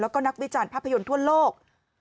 แล้วก็นักวิจารณ์ภาพยนตร์ทั่วโลก